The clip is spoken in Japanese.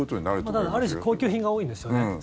ただ、ある種高級品が多いんですよね。